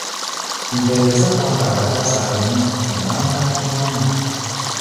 Mpeereza kw'ako akataasa akamyufu ke mba mpaatiramu.